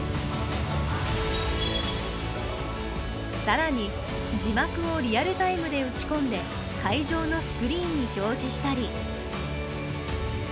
更に字幕をリアルタイムで打ち込んで会場のスクリーンに表示したり。